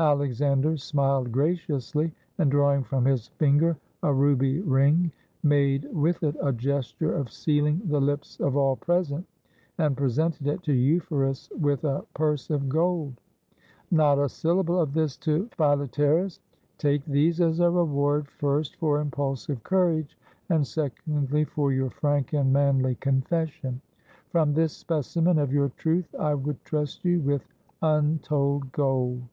Alexander smiled graciously, and, drawing from his finger a ruby ring, made with it a gesture of sealing the lips of all present, and presented it to Euphorus, with a purse of gold. "Not a syllable of this to Philetasrus. Take these as a reward, first, for impulsive courage ; and, secondly, for your frank and manly confession. From this specimen of your truth I would trust you with untold gold."